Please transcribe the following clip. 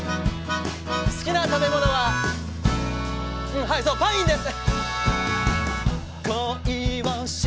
好きな食べ物はうんはいそうパインです！